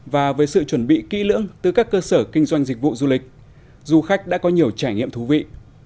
và với sự chuẩn bị kỹ lưỡng từ các cơ sở kinh doanh dịch vụ du lịch du khách đã có nhiều trải nghiệm thú vị